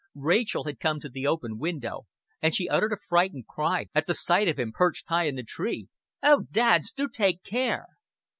Rachel had come to the open window, and she uttered a frightened cry at sight of him perched high in the tree. "Oh, dads, do take care!"